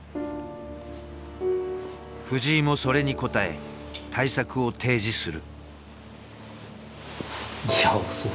藤井もそれに応え対策を提示する。